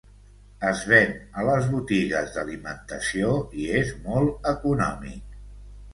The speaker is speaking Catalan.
Es ven a les botigues d'alimentació i és molt econòmic.